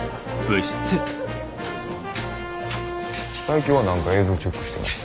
佐伯は何か映像チェックしてます。